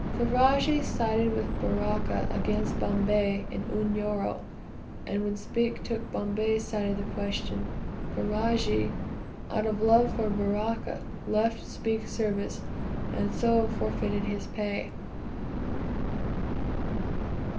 Ferajji sided with Baraka against Bombay in Unyoro, and when Speke took Bombay's side of the question, Ferajji, out of love for Baraka, left Speke's service, and so forfeited his pay.